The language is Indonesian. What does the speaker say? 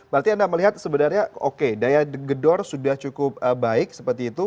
berarti anda melihat sebenarnya oke daya gedor sudah cukup baik seperti itu